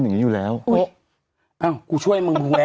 อย่างงี้อยู่แล้วอุ๊ยอ้าวคุณช่วยไม่ไย